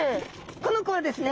この子はですね